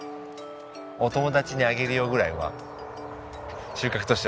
お友達にあげる用ぐらいは収穫としてはありますね。